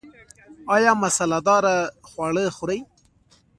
ایا مساله داره خواړه خورئ؟